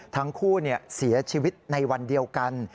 ทั้งคู่เสียชีวิตในวันเดียวกัน